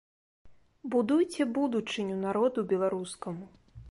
Будуйце будучыню народу беларускаму.